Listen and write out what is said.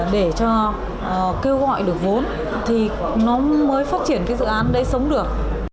để cho kêu gọi được vốn thì nó mới phát triển cái dự án đấy sống được